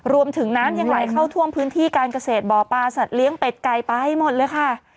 รวมถึงน้ำยังไหลเข้าท่วมพื้นที่การเกษตรบ่อปลาสัตว์เลี้ยงเป็ดไก่ไปหมดเลยค่ะ